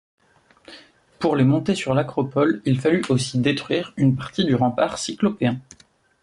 Pour les monter sur l'acropole, il fallut aussi détruire une partie du rempart cyclopéen.